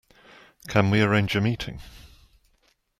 Can we arrange a meeting?